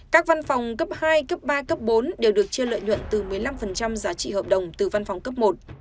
các văn phòng cấp hai cấp ba cấp bốn đều được chia lợi nhuận từ một mươi năm giá trị hợp đồng từ văn phòng cấp một